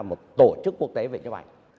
một tổ chức quốc tế về nhấp ảnh